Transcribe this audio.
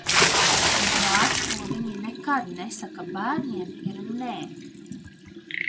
"Bet vārds, ko viņi nekad nesaka bērniem ir "nē"!"